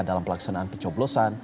dalam pelaksanaan pencoblosan